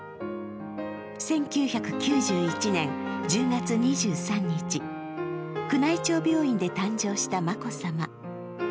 １９９１年１０月２３日、宮内庁病院で誕生した眞子さま。